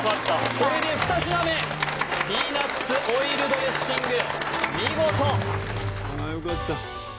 これで２品目ピーナッツオイルドレッシング